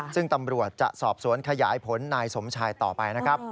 ซึ่งตำรวจจะสอบสวนขยายผลนายสมชายต่อไปนะครับ